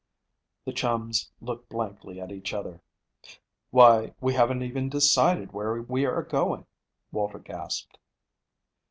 The chums looked blankly at each other. "Why, we haven't even decided where we are going," Walter gasped.